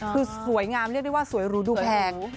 คือสวยงามเรียกได้ว่าสวยหรูดูแพง